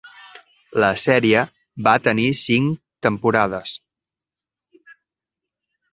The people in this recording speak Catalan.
La sèrie va tenir cinc temporades.